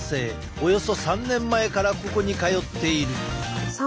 およそ３年前からここに通っている。